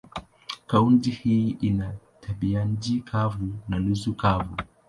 Kaunti hii ina tabianchi kavu na nusu kavu.